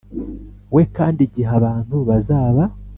We kandi igihe abantu bazaba